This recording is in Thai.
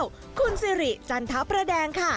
สวนต่องก้าวคุณซิริจันทะพรแดงค่ะ